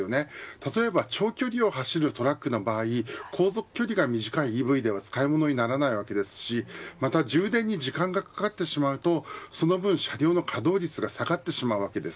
例えば長距離を走るトラックの場合航続距離が短いＥＶでは使い物にならないわけですしまた充電に時間がかかってしまうとその分車両の稼働率が下がってしまうわけです。